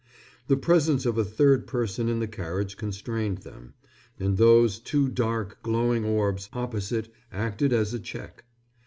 The presence of a third person in the carriage constrained them, and those two dark glowing orbs opposite acted as a check.